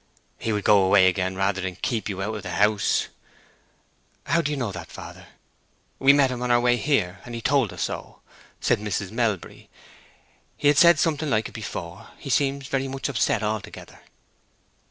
"He would go away again rather than keep you out of my house." "How do you know that, father?" "We met him on our way here, and he told us so," said Mrs. Melbury. "He had said something like it before. He seems very much upset altogether."